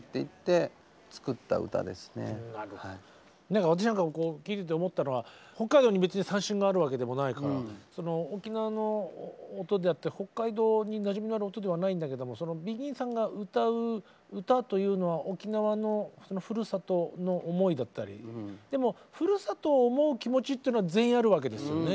何か私なんか聴いてて思ったのは北海道に別に三線があるわけでもないからその沖縄の音であって北海道になじみのある音ではないんだけどもそのＢＥＧＩＮさんが歌う歌というのは沖縄のふるさとの思いだったりでもふるさとを思う気持ちっていうのは全員あるわけですよね。